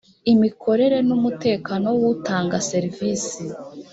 imikorere n umutekano w utanga serivisi